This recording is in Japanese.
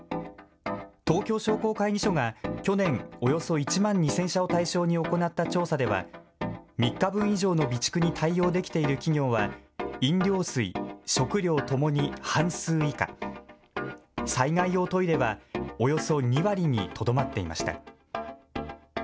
東京商工会議所が去年、およそ１万２０００社を対象に行った調査では３日分以上の備蓄に対応できている企業は飲料水、食料ともに半数以下、災害用トイレはおよそ２割にとどまっていました。